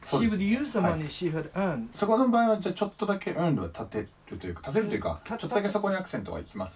そこの場合はちょっとだけ「ａｎｄ」は立てるというかちょっとだけそこにアクセントがいきます？